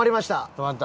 止まった？